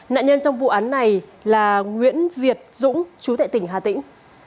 nạn nhân trong vụ án này là nguyễn việt dũng chú tại tỉnh hà tĩnh